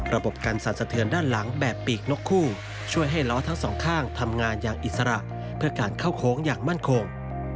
ระบบการสั่นสะเทือนด้านหลังแบบปีกนกคู่ช่วยให้ล้อทั้งสองข้างทำงานอย่างอิสระเพื่อการเข้าโค้งอย่างมั่นคง